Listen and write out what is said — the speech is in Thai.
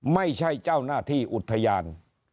ไม่ใช่เจ้าหน้าที่อุทยาน